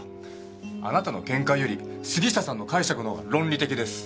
あなたの見解より杉下さんの解釈の方が論理的です。